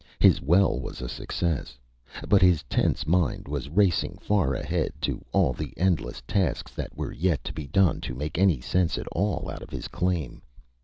His well was a success. But his tense mind was racing far ahead to all the endless tasks that were yet to be done, to make any sense at all out of his claim.